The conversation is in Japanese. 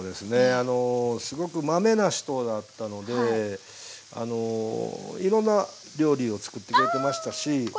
あのすごくまめな人だったのでいろんな料理をつくってくれてましたし。ああこちら佐渡さん！